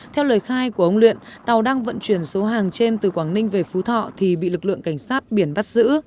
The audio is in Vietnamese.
theo lời khai của ông luyện tàu đang vận chuyển số hàng trên từ quảng ninh về phú thọ thì bị lực lượng cảnh sát biển bắt giữ